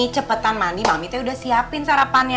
cepetan mandi mami teh udah siapin sarapannya